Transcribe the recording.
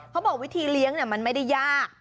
เขาบอกวิธีเลี้ยงมันไม่ได้ยาก